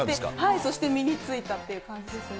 そして身についたという感じですね。